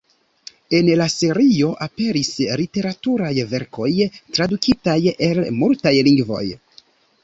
En la serio aperis literaturaj verkoj, tradukitaj el multaj lingvoj.